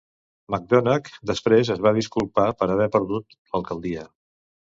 McDonagh després es va disculpar per haver perdut l'alcaldia.